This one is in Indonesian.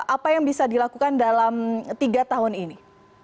apa yang bisa dilakukan dalam tiga tahun ini